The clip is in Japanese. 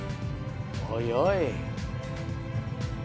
おいおい！